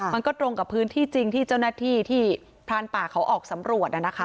มันก็ตรงกับพื้นที่จริงที่เจ้าหน้าที่ที่พรานป่าเขาออกสำรวจ